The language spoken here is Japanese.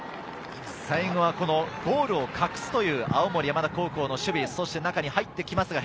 最後はゴールを隠すという青森山田高校の守備です。